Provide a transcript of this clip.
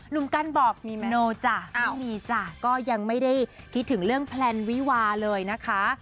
หนุ่มกั้นบอกมีมโนจ้ะไม่มีจ้ะก็ยังไม่ได้คิดถึงเรื่องแพลนวิวาเลยนะคะ